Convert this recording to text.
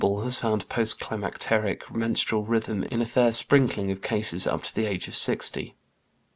54) has found post climacteric menstrual rhythm in a fair sprinkling of cases up to the age of sixty.